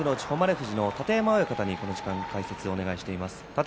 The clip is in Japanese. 富士の楯山親方に解説をお願いしています。